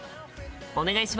お願いします。